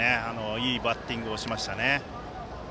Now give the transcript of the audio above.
いいバッティングをしましたね。